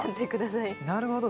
なるほど。